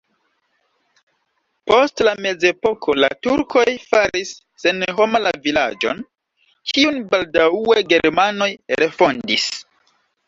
Post la mezepoko la turkoj faris senhoma la vilaĝon, kiun baldaŭe germanoj refondis.